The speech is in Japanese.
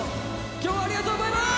今日はありがとうございます！